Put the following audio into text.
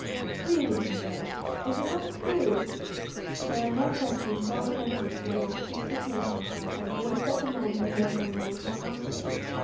"Really, Grizel " "Is it not true?" There are no questions so offensive to the artistic nature as those that demand a Yes or No for answer.